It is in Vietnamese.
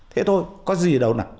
thế thôi có gì đâu nè